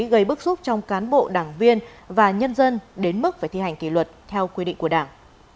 gây bức xúc trong cán bộ đảng viên và nhân dân đến mức phải thi hành kỷ luật theo quy định của đảng